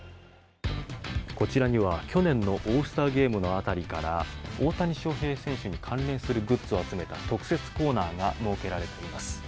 こちらには去年のオールスターゲームの辺りから大谷翔平選手に関連するグッズを集めた特設コーナーが設けられています。